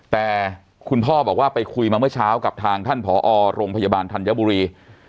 แต่คุณพ่อบอกว่าไปคุยมาเมื่อเช้ากับทางท่านผอโรงพยาบาลธัญบุรี